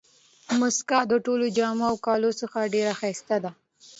مسکا د ټولو جامو او کالیو څخه ډېره ښایسته ده.